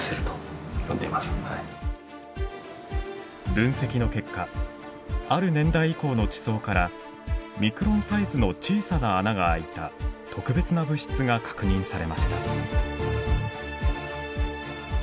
分析の結果ある年代以降の地層からミクロンサイズの小さな穴が開いた特別な物質が確認されました。